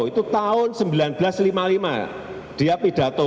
itu tahun seribu sembilan ratus lima puluh lima dia pidato